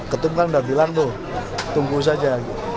ketut kan sudah bilang tuh tunggu saja